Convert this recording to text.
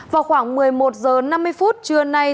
vào khoảng một mươi một h năm mươi phút trưa nay